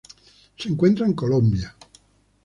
Se encuentra en Colombia.